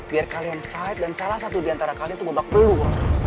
biar kalian fight dan salah satu diantara kalian tuh bebak peluh